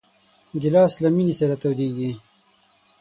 ګیلاس له مېنې سره تودېږي.